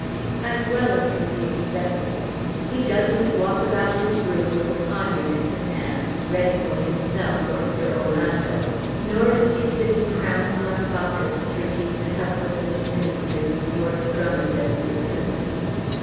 "As well as can be expected. He doesn't walk about his room with a poniard in his hand, ready for himself or Sir Orlando; nor is he sitting crowned like Bacchus, drinking the health of the new Ministry with Lord Drummond and Sir Timothy.